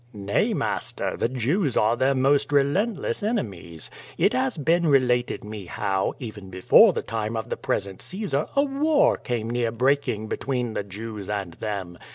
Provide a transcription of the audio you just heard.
"Nay, master; the Jews are their most relentless enemies.'^ It has been related me how, even before the time of the pres ent Caesar a war came near breaking between the Jews and them.